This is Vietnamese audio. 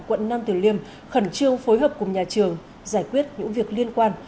quận nam tử liêm khẩn trương phối hợp cùng nhà trường giải quyết những việc liên quan